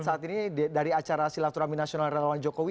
saat ini dari acara silaturahmi nasional relawan jokowi